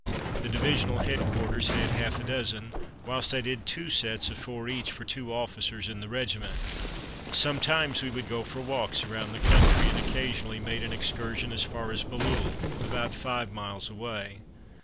The divisional headquarters had half a dozen; whilst I did two sets of four each for two officers in the regiment. Sometimes we would go for walks around the country, and occasionally made an excursion as far as Bailleul, about five miles away.